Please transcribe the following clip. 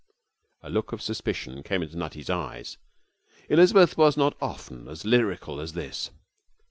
A look of suspicion came into Nutty's eyes. Elizabeth was not often as lyrical as this.